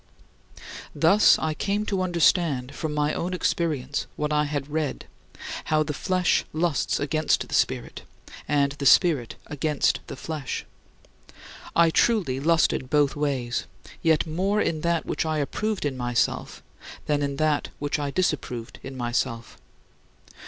11. Thus I came to understand from my own experience what I had read, how "the flesh lusts against the Spirit, and the Spirit against the flesh." I truly lusted both ways, yet more in that which I approved in myself than in that which I disapproved in myself.